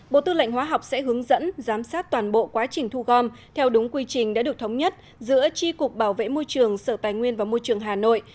bộ tư lệnh hóa học sẽ hướng dẫn giám sát toàn bộ quá trình thu gom theo đúng quy trình đã được thống nhất giữa tri cục bảo vệ môi trường sở tài nguyên và môi trường hà nội